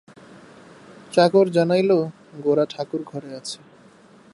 চাকর জানাইল, গোরা ঠাকুরঘরে আছে।